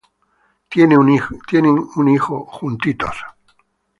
Tienen un hijo juntos.